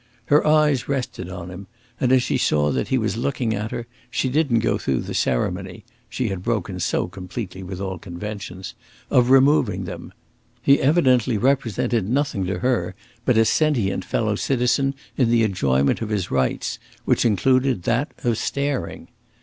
Her eyes rested on him, and as she saw that he was looking at her she didn't go through the ceremony (she had broken so completely with all conventions) of removing them; he evidently represented nothing to her but a sentient fellow citizen in the enjoyment of his rights, which included that of staring.